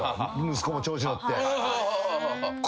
息子も調子乗って。